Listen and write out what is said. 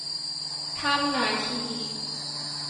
ถ้ำนาคี